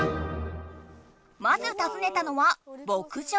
まずたずねたのは牧場。